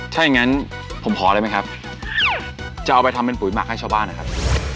ถ้าอย่างงั้นผมขออะไรไหมครับจะเอาไปทำเป็นปุ๋ยหมักให้ชาวบ้านนะครับ